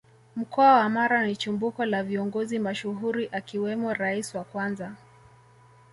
Mkoa wa Mara ni chimbuko la Viongozi mashuhuri akiwemo Rais wa kwanza